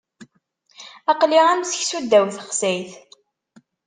Aql-i am seksu ddaw texsayt.